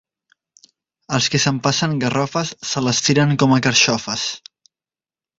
Els que s'empassen garrofes, se les tiren com a carxofes.